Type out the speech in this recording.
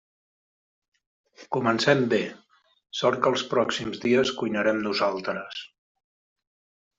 Comencem bé, sort que els pròxims dies cuinarem nosaltres.